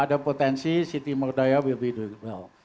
ada potensi siti merdaya will be doing well